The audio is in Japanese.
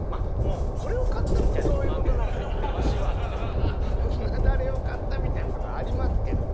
うなダレを買ったみたいなとこありますけども。